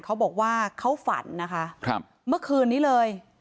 เขาบอกว่าเขาฝันนะคะครับเมื่อคืนนี้เลย